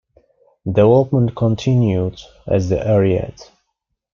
Development continued as the Ariete.